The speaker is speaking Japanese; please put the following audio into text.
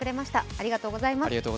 ありがとうございます。